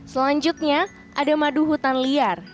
selanjutnya ada madu hutan liar